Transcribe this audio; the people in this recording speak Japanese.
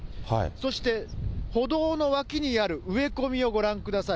そして、歩道の脇にある植え込みをご覧ください。